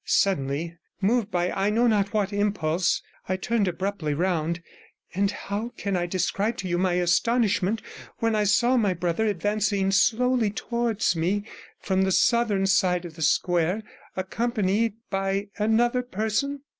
Suddenly, moved by I know not what impulse, I turned abruptly round, and how can I describe to you my astonishment when I saw my brother advancing slowly towards me from the southern side of the square, accompanied by another person?